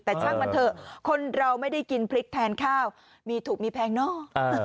แต่ช่างมันเถอะคนเราไม่ได้กินพริกแทนข้าวมีถูกมีแพงเนอะ